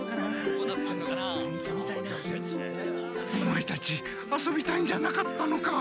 オマエたち遊びたいんじゃなかったのか。